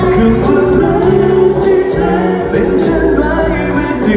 คือว่ารักที่เธอเป็นฉันมาก